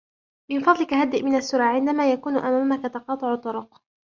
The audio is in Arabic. من فضلك هدئ من السرعة عندما يكون أمامك تقاطع طرق.